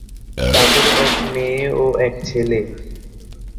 তাদের এক মেয়ে ও এক ছেলে।